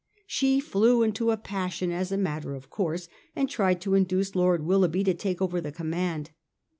She flew into a passion as a matter of course and tried to induce Lord Willoughby to take over the command.